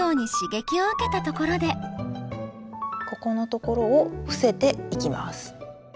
ここのところを伏せていきます。